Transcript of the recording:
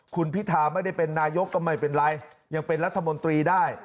คุณพิธาไม่ได้เป็นนายกก็ไม่เป็นไรยังเป็นรัฐมนตรีได้